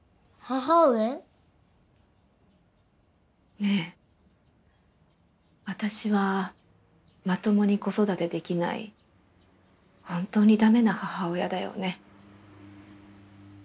ねえ私はまともに子育てできない本当に駄目な母親だよね。